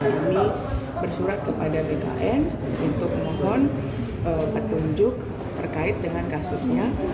kami bersurat kepada bkn untuk mohon petunjuk terkait dengan kasusnya